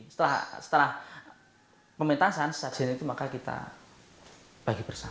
setelah setelah pementasan sesajian itu maka kita bagi bersama